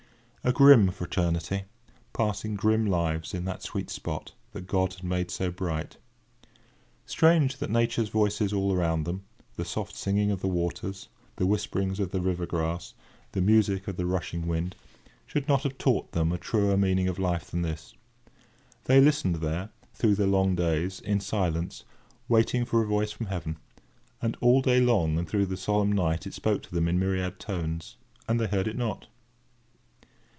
A grim fraternity, passing grim lives in that sweet spot, that God had made so bright! Strange that Nature's voices all around them—the soft singing of the waters, the whisperings of the river grass, the music of the rushing wind—should not have taught them a truer meaning of life than this. They listened there, through the long days, in silence, waiting for a voice from heaven; and all day long and through the solemn night it spoke to them in myriad tones, and they heard it not.